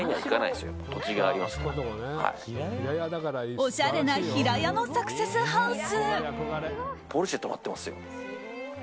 おしゃれな平屋のサクセスハウス。